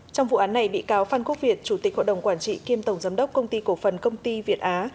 trong vụ án này bị cáo phan quốc việt chủ tịch hội đồng quản trị kiêm tổng giám đốc công ty cổ phần công ty việt á